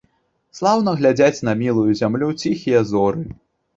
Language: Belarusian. Слаўна глядзяць на мілую зямлю ціхія зоры.